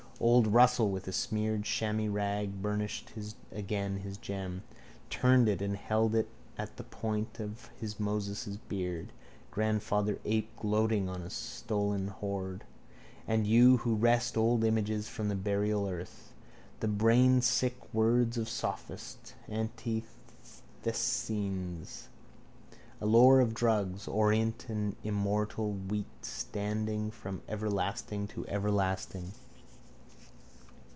Old Russell with a smeared shammy rag burnished again his gem, turned it and held it at the point of his Moses' beard. Grandfather ape gloating on a stolen hoard. And you who wrest old images from the burial earth? The brainsick words of sophists: Antisthenes. A lore of drugs. Orient and immortal wheat standing from everlasting to everlasting.